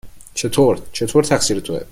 چطور؟ چطور تقصیر توئه؟